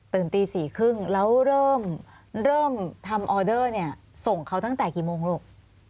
ตื่นตี๔๓๐นแล้วเริ่มทำข้าวออกส่องเขาตั้งแต่กี่โมงลูก